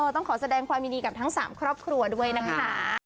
ต้องขอแสดงความยินดีกับทั้ง๓ครอบครัวด้วยนะคะ